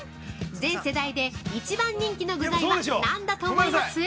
全世代で一番人気の具材は何だと思います？